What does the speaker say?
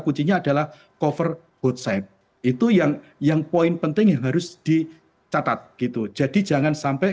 kuncinya adalah cover booth side itu yang yang poin penting yang harus dicatat gitu jadi jangan sampai